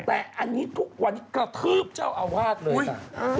แต่อันนี้ทุกวันนี้กระทืบเจ้าอาวาสเลย